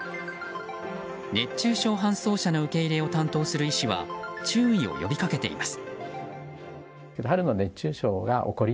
熱中症搬送者の受け入れを担当する医師は注意を呼びかけています。